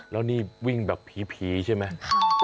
แล้วนี่วิ่งแบบผีใช่ไหม